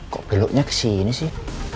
kok beloknya ke sini sih